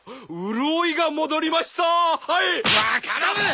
分からねえ。